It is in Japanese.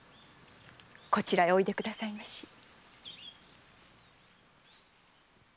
こちらへおいでくださいまし。